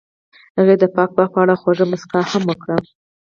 هغې د پاک باغ په اړه خوږه موسکا هم وکړه.